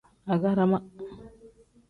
Agarama.